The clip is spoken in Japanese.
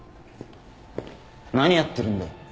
何やってるんだ！